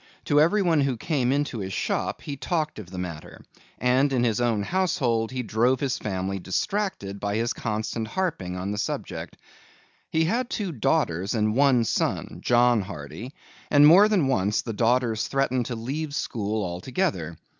To everyone who came into his shop he talked of the matter, and in his own household he drove his family distracted by his constant harping on the subject. He had two daughters and one son, John Hardy, and more than once the daughters threatened to leave school altogether.